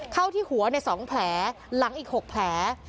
เข้าที่หัว๒แผลหลังอีก๖แผล